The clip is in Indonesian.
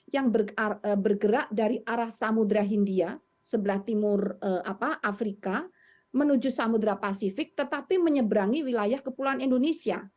yang bergerak dari arah samudera hindia sebelah timur afrika menuju samudera pasifik tetapi menyeberangi wilayah kepulauan indonesia